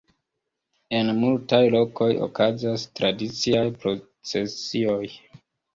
En multaj lokoj okazas tradiciaj procesioj.